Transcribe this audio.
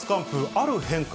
ある変化。